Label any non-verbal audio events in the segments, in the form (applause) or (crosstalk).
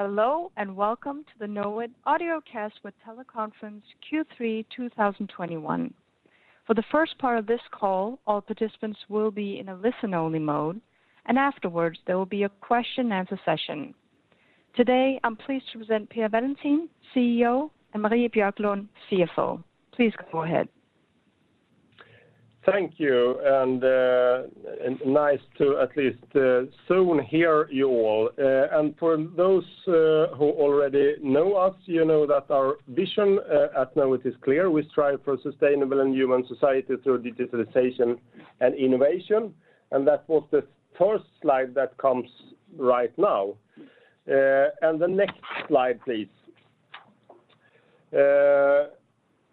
Hello, and welcome to the Knowit audiocast with teleconference Q3 2021. For the first part of this call, all participants will be in a listen-only mode, and afterwards, there will be a question and answer session. Today, I'm pleased to present Per Wallentin, CEO, and Marie Björklund, CFO. Please go ahead. Thank you, nice to at least soon hear you all. For those who already know us, you know that our vision at Knowit is clear. We strive for a sustainable and human society through digitalization and innovation, and that was the first slide that comes right now. The next slide, please.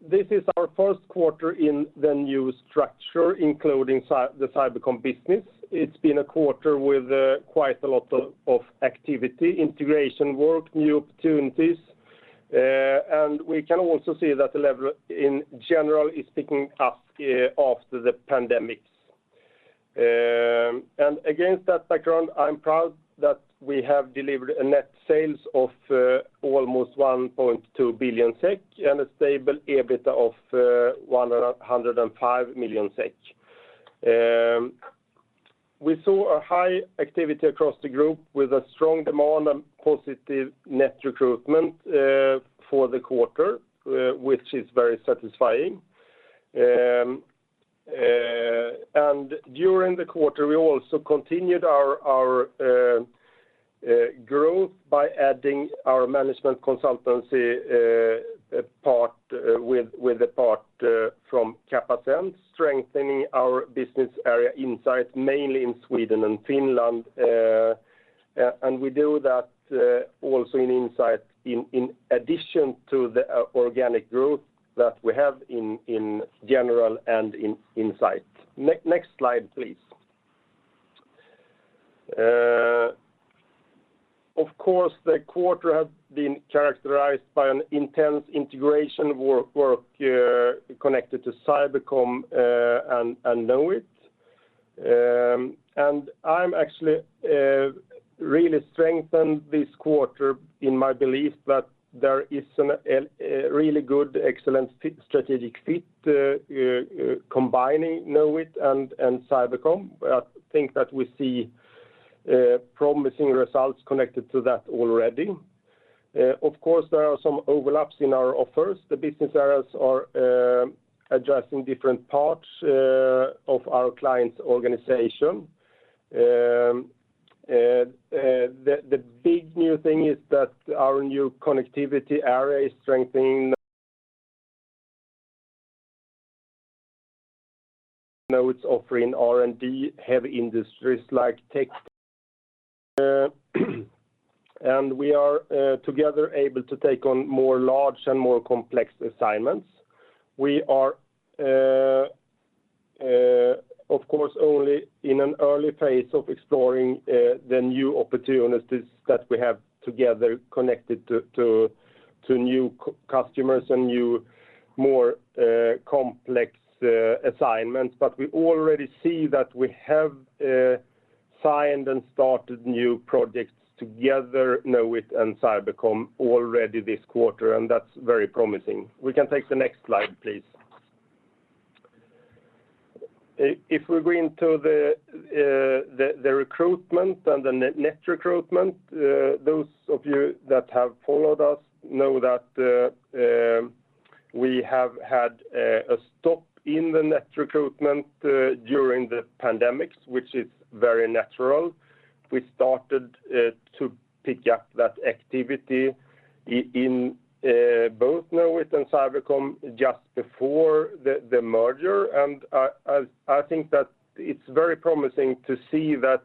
This is our first quarter in the new structure, including the Cybercom business. It's been a quarter with quite a lot of activity, integration work, new opportunities, and we can also see that the level in general is picking up after the pandemic. Against that background, I'm proud that we have delivered net sales of almost 1.2 billion SEK and a stable EBITDA of 105 million SEK. We saw a high activity across the group with a strong demand and positive net recruitment for the quarter, which is very satisfying. During the quarter we also continued our growth by adding our management consultancy part with the part from Capacent, strengthening our business area Insight mainly in Sweden and Finland. We do that also in Insight in addition to the organic growth that we have in general and in Insight. Next slide, please. Of course, the quarter has been characterized by an intense integration work connected to Cybercom and Knowit. I'm actually really strengthened this quarter in my belief that there is a really good, excellent strategic fit combining Knowit and Cybercom. I think that we see promising results connected to that already. Of course, there are some overlaps in our offers. The business areas are addressing different parts of our client's organization. The big new thing is that our new Connectivity area is strengthening Knowit's offering R&D, heavy industries like tech. We are together able to take on more large and more complex assignments. We are, of course, only in an early phase of exploring the new opportunities that we have together connected to new customers and new, more complex assignments. We already see that we have signed and started new projects together, Knowit and Cybercom, already this quarter, and that's very promising. We can take the next slide, please. If we go into the recruitment and the net recruitment, those of you that have followed us know that we have had a stop in the net recruitment during the pandemic, which is very natural. We started to pick up that activity in both Knowit and Cybercom just before the merger. I think that it's very promising to see that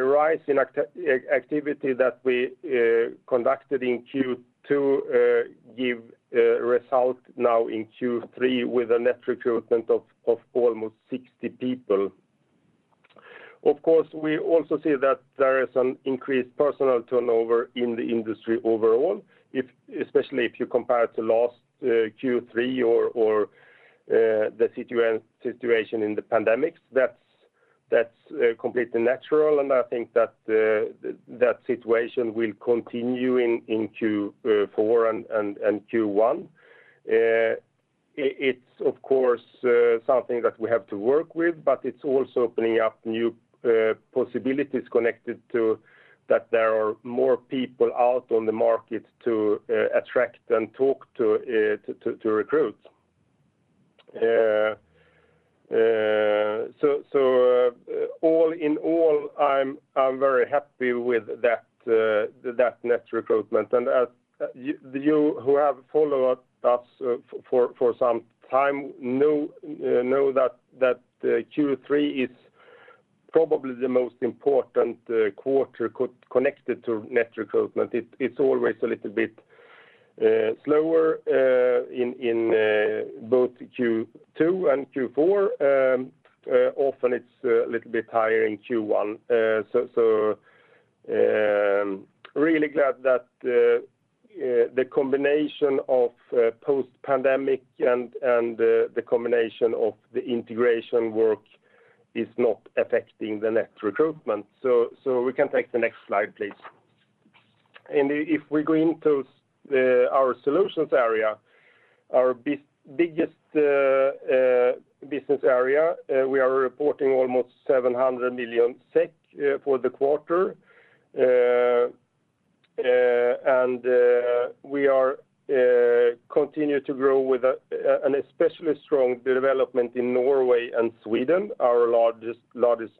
rise in activity that we conducted in Q2 give result now in Q3 with a net recruitment of almost 60 people. Of course, we also see that there is an increased personal turnover in the industry overall, especially if you compare to last Q3 or the situation in the pandemic. That's completely natural. I think that situation will continue in Q4 and Q1. It's of course something that we have to work with. It's also opening up new possibilities connected to that there are more people out on the market to attract and talk to recruit. All in all, I'm very happy with that net recruitment. You who have followed us for some time know that Q3 is probably the most important quarter connected to net recruitment. It's always a little bit slower in both Q2 and Q4. Often it's a little bit higher in Q1. Really glad. The combination of post-pandemic and the combination of the integration work is not affecting the net recruitment. We can take the next slide, please. If we go into our solutions area, our biggest business area, we are reporting almost 700 million SEK for the quarter. We continue to grow with an especially strong development in Norway and Sweden, our largest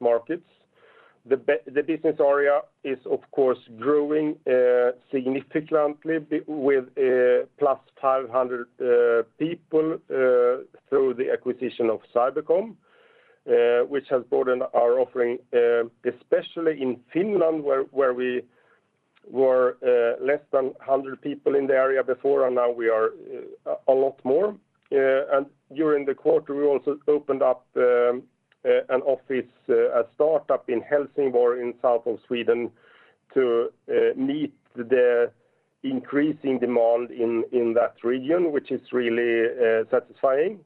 markets. The business area is, of course, growing significantly with plus 500 people through the acquisition of Cybercom, which has broadened our offering, especially in Finland, where we were less than 100 people in the area before. Now we are a lot more. During the quarter, we also opened up an office, a startup in Helsingborg in the south of Sweden to meet the increasing demand in that region, which is really satisfying.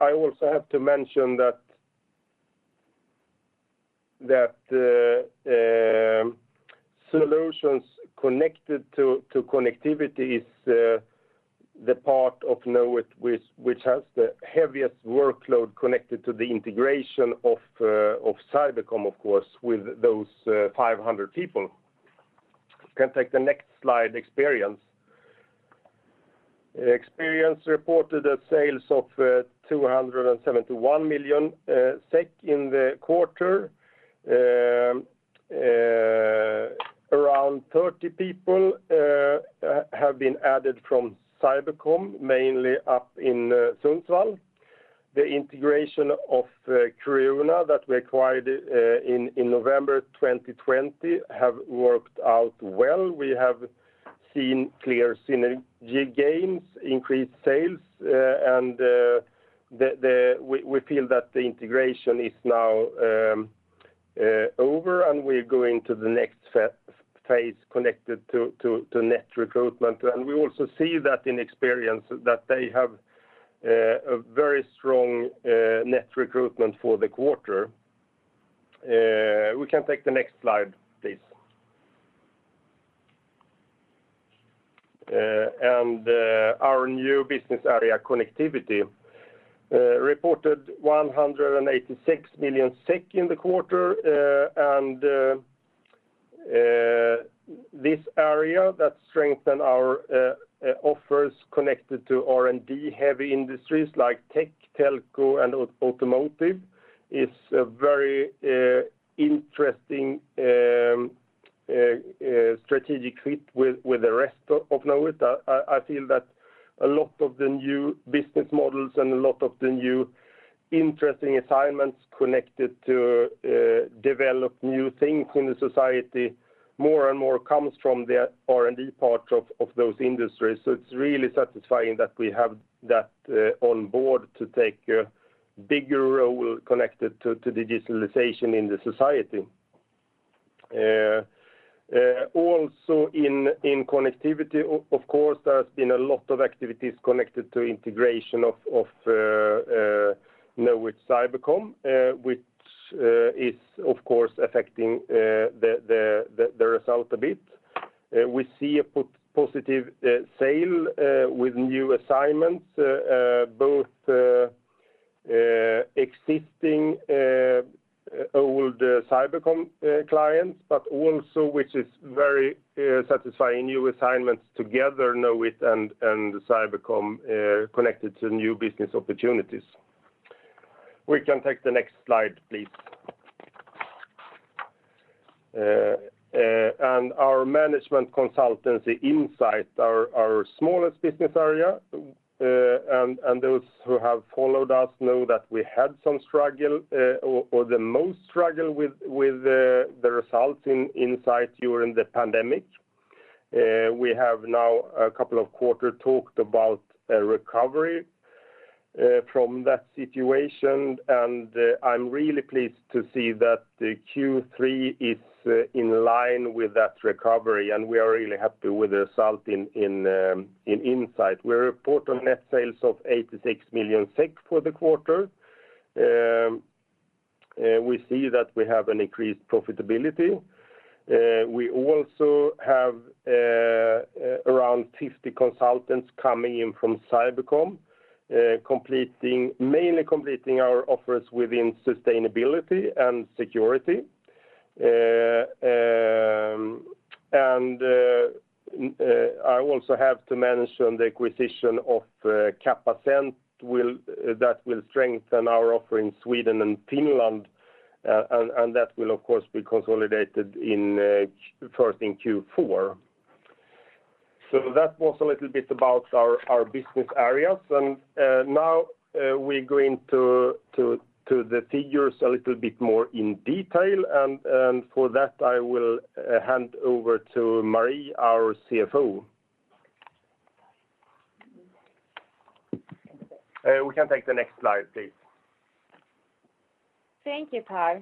I also have to mention that solutions connected to connectivity is the part of Knowit which has the heaviest workload connected to the integration of Cybercom, of course, with those 500 people. We can take the next slide, Experience. Experience reported the sales of 271 million SEK in the quarter. Around 30 people have been added from Cybercom, mainly up in Sundsvall. The integration of Creuna that we acquired in November 2020 has worked out well. We have seen clear synergy gains, increased sales, and we feel that the integration is now over, and we're going to the next phase connected to net recruitment. We also see that in Experience, that they have a very strong net recruitment for the quarter. We can take the next slide, please. Our new business area, Connectivity, reported 186 million SEK in the quarter. This area that strengthened our offers connected to R&D-heavy industries like tech, telco, and automotive is a very interesting strategic fit with the rest of Knowit. I feel that a lot of the new business models and a lot of the new interesting assignments connected to develop new things in the society, more and more comes from the R&D part of those industries. It's really satisfying that we have that on board to take a bigger role connected to the digitalization in the society. In Knowit Connectivity, of course, there's been a lot of activities connected to integration of Knowit Cybercom which is, of course, affecting the result a bit. We see a positive sale with new assignments, both existing old Cybercom clients, but also, which is very satisfying, new assignments together Knowit and Cybercom connected to new business opportunities. We can take the next slide, please. Our management consultancy Insight, our smallest business area. Those who have followed us know that we had some struggle, or the most struggle, with the results in Insight during the pandemic. We have now a couple of quarters talked about a recovery from that situation, and I'm really pleased to see that the Q3 is in line with that recovery, and we are really happy with the result in Insight. We report on net sales of 86 million SEK for the quarter. We see that we have an increased profitability. We also have around 50 consultants coming in from Cybercom, mainly completing our offers within sustainability and security. I also have to mention the acquisition of Capacent. That will strengthen our offer in Sweden and Finland. That will, of course, be consolidated first in Q4. That was a little bit about our business areas. Now we go into the figures a little bit more in detail. For that, I will hand over to Marie, our CFO. We can take the next slide, please. Thank you, Per.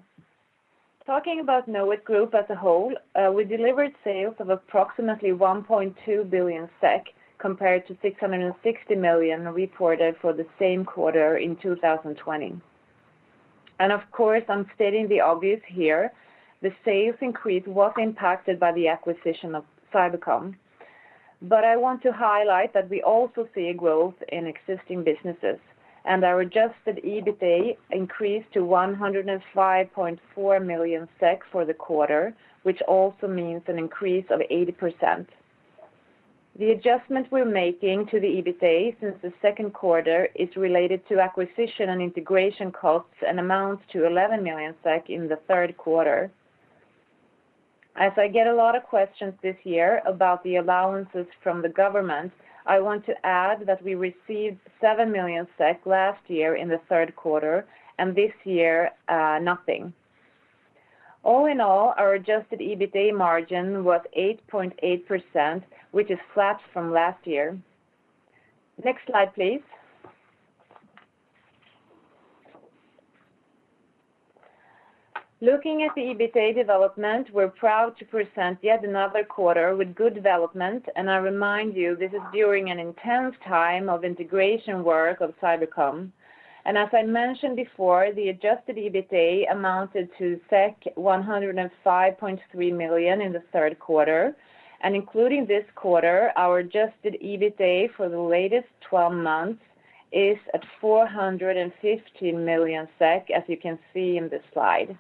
Talking about Knowit Group as a whole, we delivered sales of approximately 1.2 billion SEK compared to 660 million reported for the same quarter in 2020. Of course, I'm stating the obvious here. The sales increase was impacted by the acquisition of Cybercom. I want to highlight that we also see a growth in existing businesses, and our adjusted EBITA increased to 105.4 million SEK for the quarter, which also means an increase of 80%. The adjustment we're making to the EBITA since the second quarter is related to acquisition and integration costs and amounts to 11 million SEK in the third quarter. As I get a lot of questions this year about the allowances from the government, I want to add that we received 7 million SEK last year in the third quarter, and this year, nothing. All in all, our adjusted EBITA margin was 8.8%, which is flat from last year. Next slide, please. Looking at the EBITA development, we're proud to present yet another quarter with good development. I remind you, this is during an intense time of integration work of Cybercom. As I mentioned before, the adjusted EBITA amounted to 105.3 million in the third quarter. Including this quarter, our adjusted EBITA for the latest 12 months is at 450 million SEK, as you can see in this slide.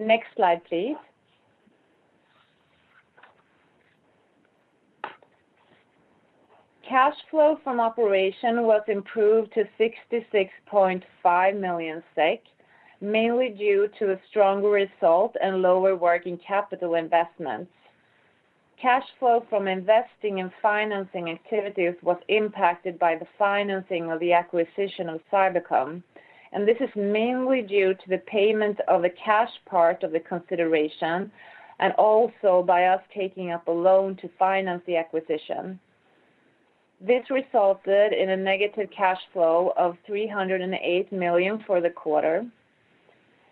Next slide, please. Cash flow from operation was improved to 66.5 million SEK, mainly due to a stronger result and lower working capital investments. Cash flow from investing in financing activities was impacted by the financing of the acquisition of Cybercom, and this is mainly due to the payment of the cash part of the consideration, and also by us taking up a loan to finance the acquisition. This resulted in a negative cash flow of 308 million for the quarter.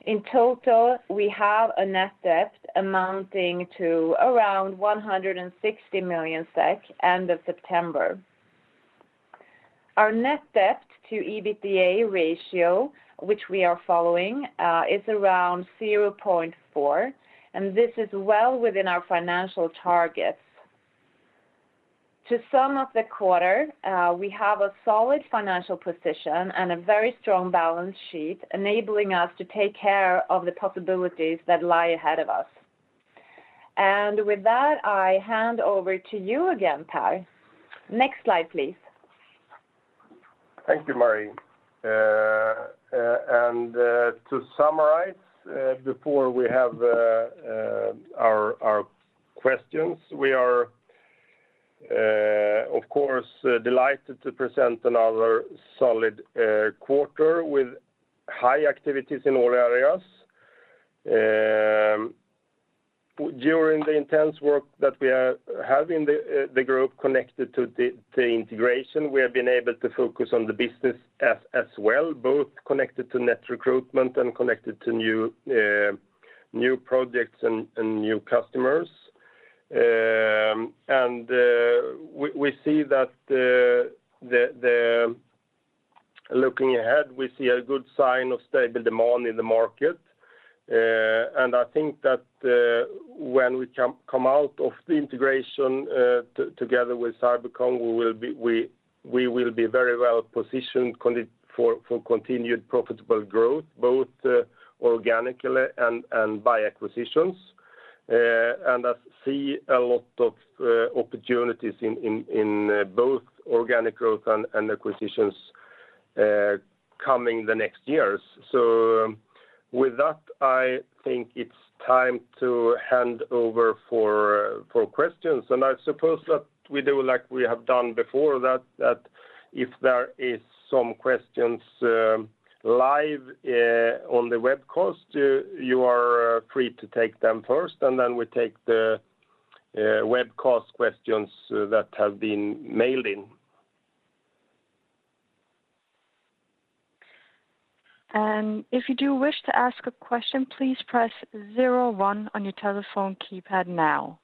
In total, we have a net debt amounting to around 160 million SEK end of September. Our net debt to EBITDA ratio, which we are following, is around 0.4, and this is well within our financial targets. To sum up the quarter, we have a solid financial position and a very strong balance sheet enabling us to take care of the possibilities that lie ahead of us. With that, I hand over to you again, Per. Next slide, please. Thank you, Marie. To summarize before we have our questions, we are of course delighted to present another solid quarter with high activities in all areas. During the intense work that we are having the group connected to the integration, we have been able to focus on the business as well, both connected to net recruitment and connected to new projects and new customers. Looking ahead, we see a good sign of stable demand in the market. I think that when we come out of the integration together with Cybercom, we will be very well positioned for continued profitable growth, both organically and by acquisitions. I see a lot of opportunities in both organic growth and acquisitions coming the next years. With that, I think it's time to hand over for questions. I suppose that we do like we have done before that, if there is some questions live on the webcast, you are free to take them first, and then we take the webcast questions that have been mailed in. And if you do wish to ask a question, please press zero one on your telephone keypad now.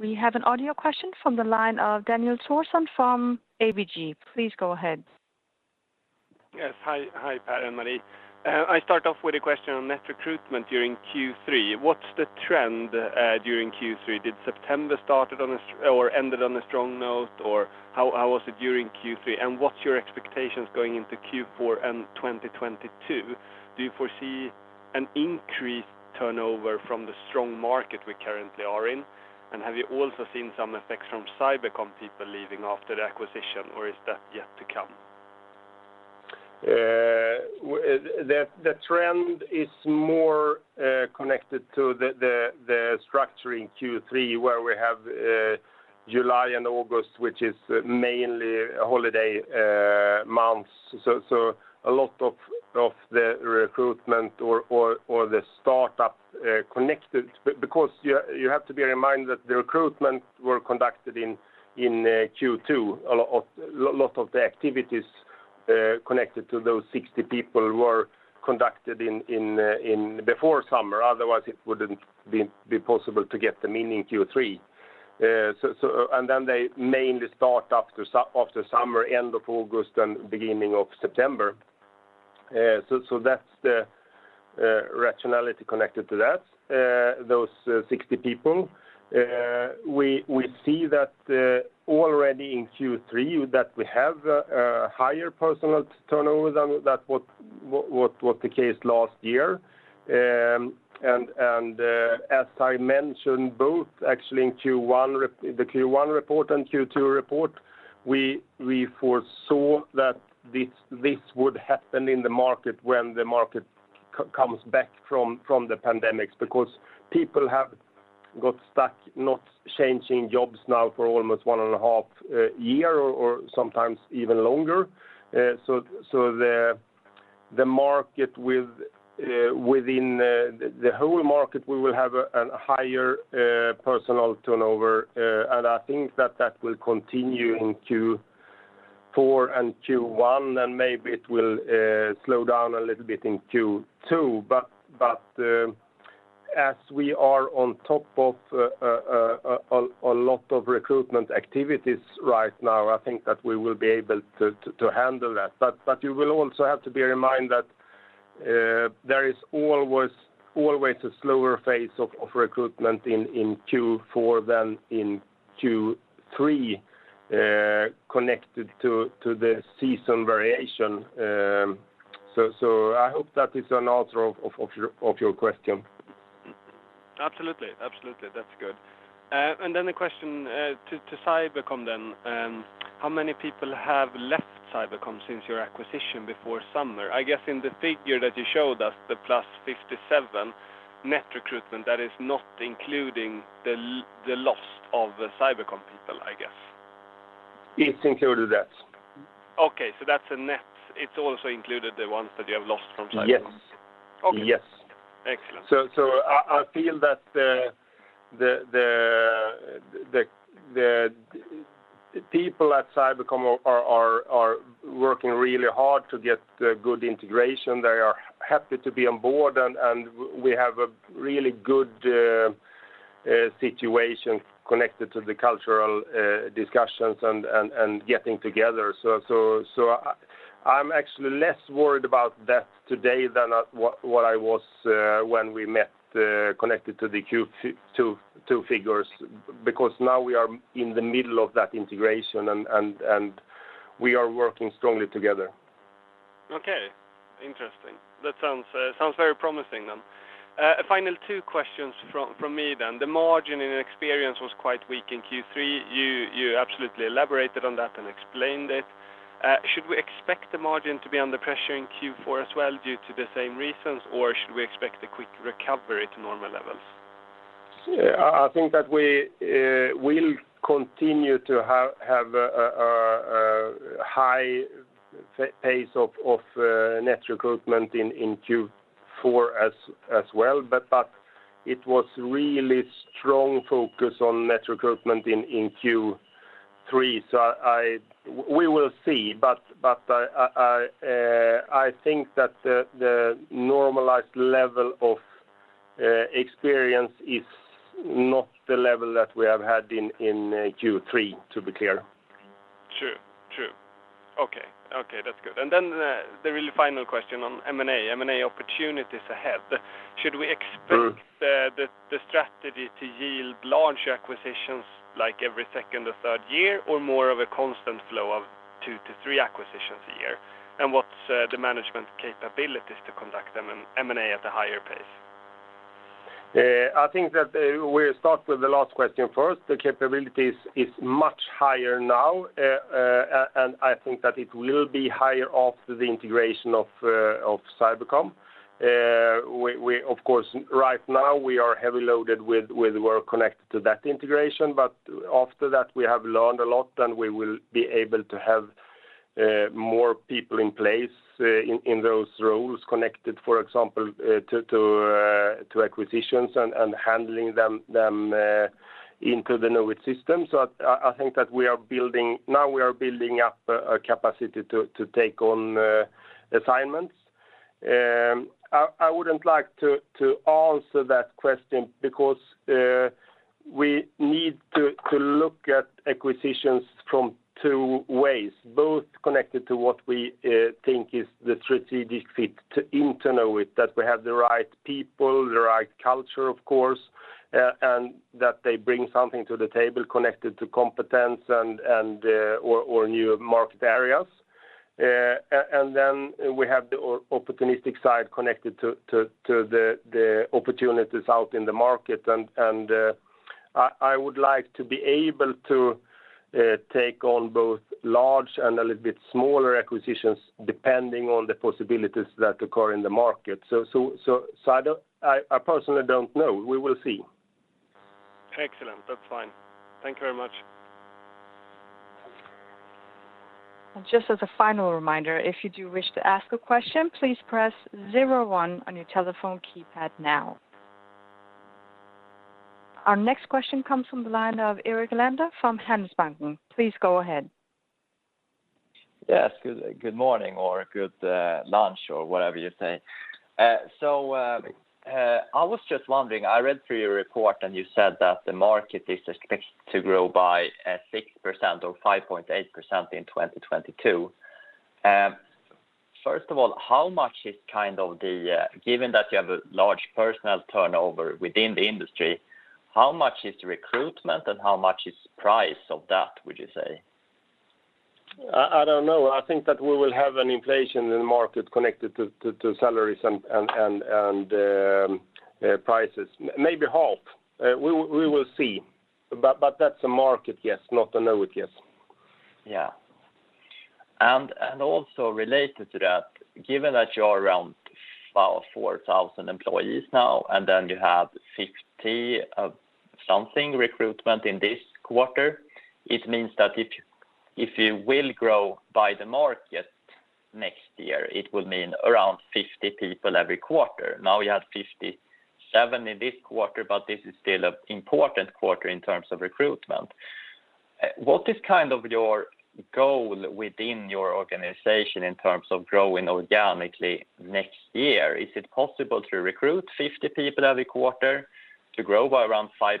We have an audio question from the line of Daniel Thorsson from ABG. Please go ahead. Yes. Hi, Per and Marie. I start off with a question on net recruitment during Q3. What's the trend during Q3? Did September ended on a strong note, or how was it during Q3? What's your expectations going into Q4 and 2022? Do you foresee an increased turnover from the strong market we currently are in? Have you also seen some effects from Cybercom people leaving after the acquisition, or is that yet to come? The trend is more connected to the structure in Q3 where we have July and August, which is mainly holiday months. A lot of the recruitment or the startup connected because you have to bear in mind that the recruitment were conducted in Q2. A lot of the activities connected to those 60 people who were conducted before summer. It wouldn't be possible to get them in Q3. They mainly start after summer, end of August and beginning of September. That's the rationality connected to that, those 60 people. We see that already in Q3 that we have a higher personal turnover than what the case last year. As I mentioned, both actually in the Q1 report and Q2 report, we foresaw that this would happen in the market when the market comes back from the pandemic. People have got stuck not changing jobs now for almost 1.5 years or sometimes even longer. Within the whole market, we will have a higher personal turnover. I think that will continue in Q4 and Q1, and maybe it will slow down a little bit in Q2. As we are on top of a lot of recruitment activities right now, I think that we will be able to handle that. You will also have to bear in mind that there is always a slower phase of recruitment in Q4 than in Q3, connected to the season variation. I hope that is an answer of your question. Absolutely. That's good. A question to Cybercom. How many people have left Cybercom since your acquisition before summer? I guess in the figure that you showed us, the plus 57 net recruitment, that is not including the loss of Cybercom people, I guess. It's included that. Okay. That's a net. It's also included the ones that you have lost from Cybercom. Yes. Okay. Yes. Excellent. I feel that the people at Cybercom are working really hard to get good integration. They are happy to be on board, and we have a really good situation connected to the cultural discussions and getting together. I'm actually less worried about that today than what I was when we met connected to the Q2 figures, because now we are in the middle of that integration, and we are working strongly together. Okay. Interesting. That sounds very promising then. A final two questions from me then. The margin in Experience was quite weak in Q3. You absolutely elaborated on that and explained it. Should we expect the margin to be under pressure in Q4 as well due to the same reasons, or should we expect a quick recovery to normal levels? I think that we will continue to have a high pace of net recruitment in Q4 as well. It was really strong focus on net recruitment in Q3. We will see, but I think that the normalized level of Knowit Experience is not the level that we have had in Q3, to be clear. True. Okay. That's good. The real final question on M&A opportunities ahead. Should we expect the strategy to yield large acquisitions like every second or third year, or more of a constant flow of two to three acquisitions a year? What's the management capabilities to conduct them in M&A at a higher pace? I think that we'll start with the last question first. The capabilities is much higher now, and I think that it will be higher after the integration of Cybercom. Of course, right now we are heavy loaded with work connected to that integration, but after that, we have learned a lot, and we will be able to have more people in place in those roles connected, for example, to acquisitions and handling them into the Knowit system. I think that now we are building up a capacity to take on assignments. I wouldn't like to answer that question because we need to look at acquisitions from two ways, both connected to what we think is the strategic fit into Knowit. That we have the right people, the right culture, of course, and that they bring something to the table connected to competence or new market areas. We have the opportunistic side connected to the opportunities out in the market. I would like to be able to take on both large and a little bit smaller acquisitions, depending on the possibilities that occur in the market. I personally don't know. We will see. Excellent. That's fine. Thank you very much. Just as a final reminder, if you do wish to ask a question, please press 01 on your telephone keypad now. Our next question comes from the line of Erik Elander from Handelsbanken. Please go ahead. Good morning or good lunch or whatever you say. I was just wondering, I read through your report, and you said that the market is expected to grow by 6% or 5.8% in 2022. First of all, given that you have a large personnel turnover within the industry, how much is recruitment and how much is price of that, would you say? I don't know. I think that we will have an inflation in the market connected to salaries and prices. Maybe half. We will see. That's a market guess, not a Knowit guess. Yeah. Also related to that, given that you are around 4,000 employees now, then you have 50-something recruitments in this quarter, it means that if you will grow by the market next year, it will mean around 50 people every quarter. Now you had 57 in this quarter, but this is still an important quarter in terms of recruitment. What is your goal within your organization in terms of growing organically next year? Is it possible to recruit 50 people every quarter to grow by around 5%,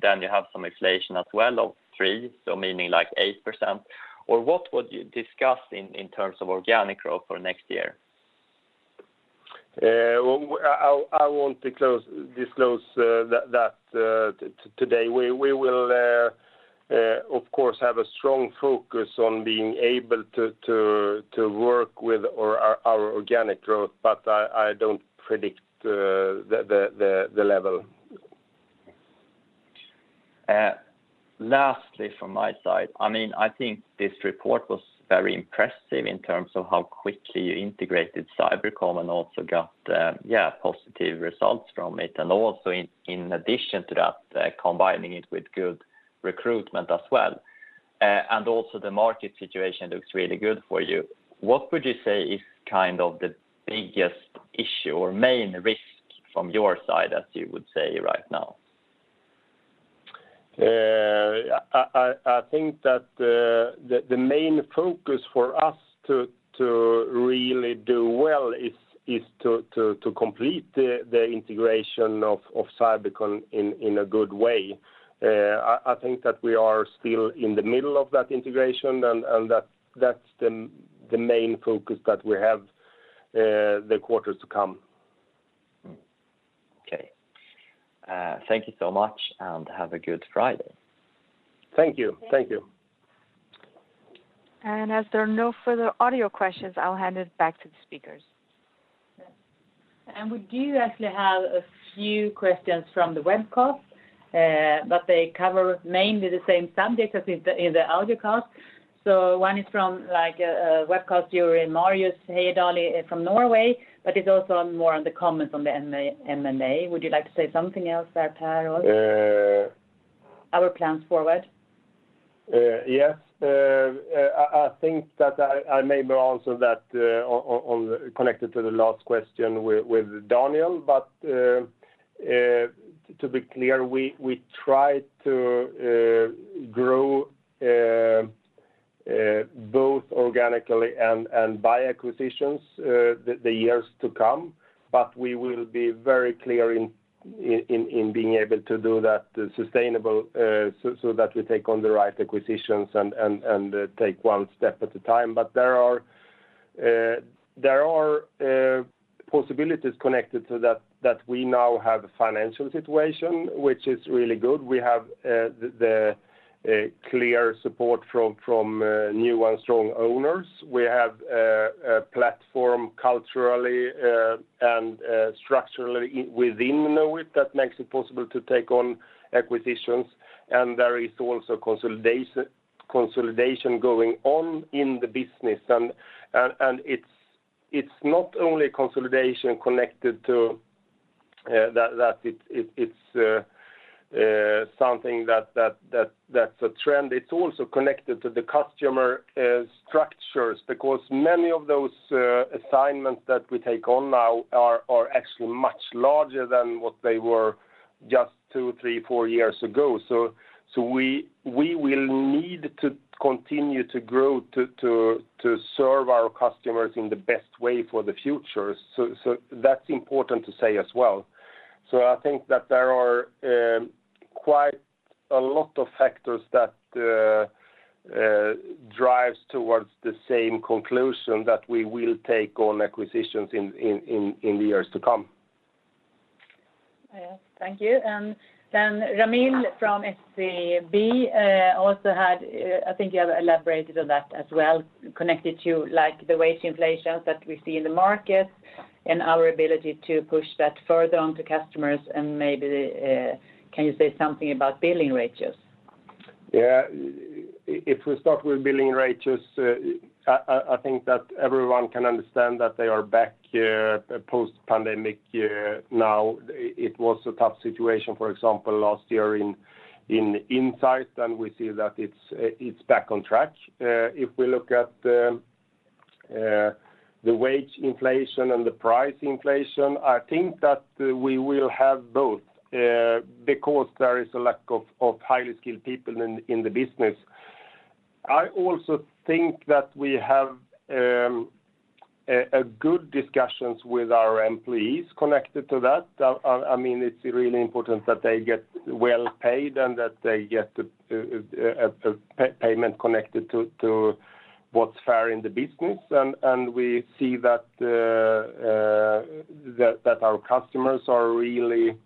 then you have some inflation as well of 3%, so meaning like 8%? What would you discuss in terms of organic growth for next year? I won't disclose that today. We will, of course, have a strong focus on being able to work with our organic growth. I don't predict the level. Lastly, from my side, I think this report was very impressive in terms of how quickly you integrated Cybercom and also got positive results from it, in addition to that, combining it with good recruitment as well. The market situation looks really good for you. What would you say is the biggest issue or main risk from your side, as you would say right now? I think that the main focus for us to really do well is to complete the integration of Cybercom in a good way. I think that we are still in the middle of that integration, that's the main focus that we have the quarters to come. Okay. Thank you so much, and have a good Friday. Thank you. As there are no further audio questions, I'll hand it back to the speakers. We do actually have a few questions from the webcast, but they cover mainly the same subject as in the audiocast. One is from a webcast viewer, Marius Heyerdahl from Norway, but it's also more on the comments on the M&A. Would you like to say something else there, Per, or our plans forward? Yes. I think that I may answer that connected to the last question with Daniel. To be clear, we try to grow both organically and by acquisitions the years to come, but we will be very clear in being able to do that sustainable so that we take on the right acquisitions and take one step at a time. There are possibilities connected to that we now have a financial situation which is really good. We have the clear support from new and strong owners. We have a platform culturally and structurally within Knowit that makes it possible to take on acquisitions. There is also consolidation going on in the business, and it's not only consolidation connected to that it's something that's a trend. It's also connected to the customer structures, because many of those assignments that we take on now are actually much larger than what they were just two, three, four years ago. We will need to continue to grow to serve our customers in the best way for the future. That's important to say as well. I think that there are quite a lot of factors that drives towards the same conclusion that we will take on acquisitions in the years to come. Yes. Thank you. Ramil from SEB also, I think you have elaborated on that as well, connected to the wage inflations that we see in the market and our ability to push that further onto customers, and maybe can you say something about billing rates? Yeah. If we start with billing rates, I think that everyone can understand that they are back post-pandemic now. It was a tough situation, for example, last year in Insight, and we see that it's back on track. If we look at the wage inflation and the price inflation, I think that we will have both because there is a lack of highly skilled people in the business. I also think that we have good discussions with our employees connected to that. It's really important that they get well paid and that they get a payment connected to what's fair in the business. We see that our customers are really,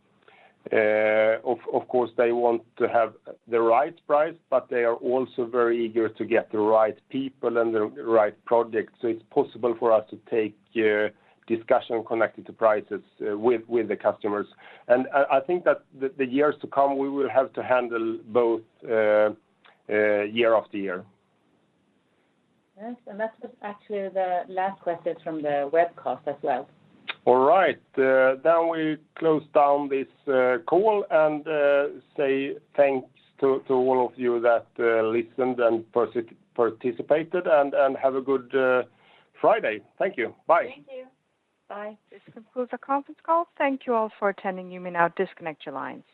of course, they want to have the right price, but they are also very eager to get the right people and the right project. It's possible for us to take discussion connected to prices with the customers. I think that the years to come, we will have to handle both year after year. Yes. That was actually the last question from the webcast as well. All right. We close down this call and say thanks to all of you that listened and participated, and have a good Friday. Thank you. Bye. Thank you. Bye. (crosstalk) This concludes our conference call. Thank you all for attending. You may now disconnect your lines.